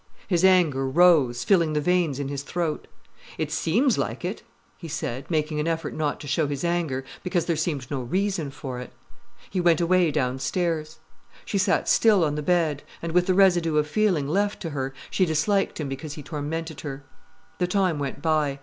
His anger rose, filling the veins in his throat. "It seems like it," he said, making an effort not to show his anger, because there seemed no reason for it. He went away downstairs. She sat still on the bed, and with the residue of feeling left to her, she disliked him because he tormented her. The time went by.